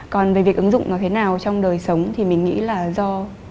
còn về việc ứng dụng nó thế nào trong đời sống thì mình nghĩ là do